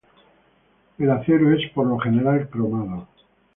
El acero es por lo general cromado.